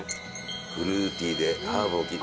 フルーティーでハーブも。